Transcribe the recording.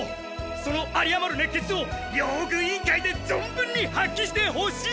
そのありあまる熱血を用具委員会でぞんぶんに発揮してほしい！